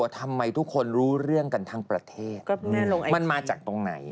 ทำไมทุกคนรู้เรื่องกันทั้งประเทศมันมาจากตรงไหน